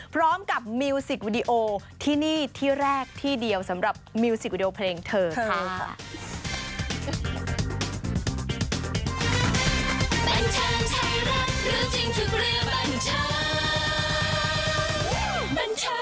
มิวสิกวิดีโอที่นี่ที่แรกที่เดียวสำหรับมิวสิกวิดีโอเพลงเธอค่ะ